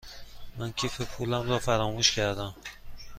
من کیف پولم را فراموش کرده ام.